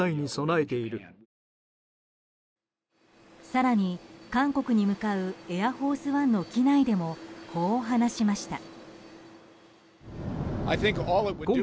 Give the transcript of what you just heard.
更に韓国に向かう「エアフォースワン」の機内でも、こう話しました。